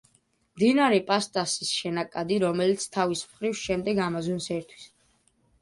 მდინარე პასტასის შენაკადი, რომელიც თავის მხრივ, შემდეგ ამაზონს ერთვის.